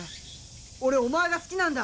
俺お前が好きなんだ。